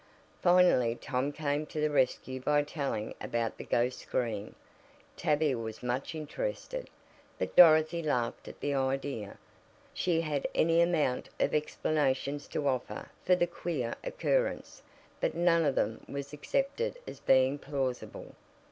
Finally Tom came to the rescue by telling about the "ghost scream." Tavia was much interested, but Dorothy laughed at the idea. She had any amount of explanations to offer for the queer occurrence, but none of them was accepted as being plausible.